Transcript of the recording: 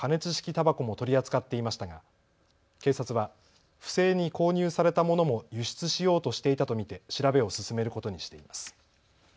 たばこも取り扱っていましたが、警察は不正に購入されたものも輸出しようとしていたと見て調べを進めることにしています。